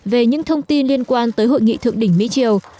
về những thông tin liên quan tới hội nghị thượng đỉnh mỹ triều